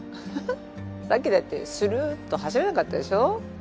さっきだってスルーッと走らなかったでしょ？